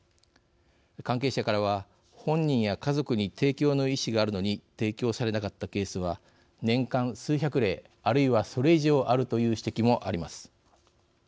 関係者からは、本人や家族に提供の意思があるのに提供されなかったケースは年間、数百例あるいは、それ以上あるという指摘もあります。